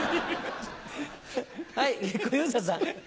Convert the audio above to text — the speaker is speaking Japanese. はい小遊三さん。